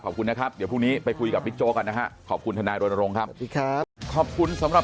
ขอบคุณนะครับเดี๋ยวพรุ่งนี้ไปคุยกับวิทโจ้กันนะฮะ